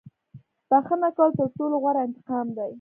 • بښنه کول تر ټولو غوره انتقام دی.